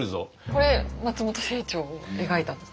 これ松本清張を描いたんですか？